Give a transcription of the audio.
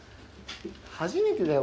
初めてだよ